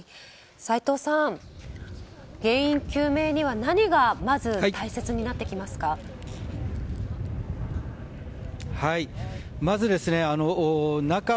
斎藤さん、原因究明には何がまず大切になってきますか？